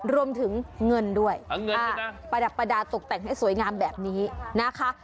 รวมถึงเงินด้วยเงินประดับประดาษตกแต่งให้สวยงามแบบนี้นะคะ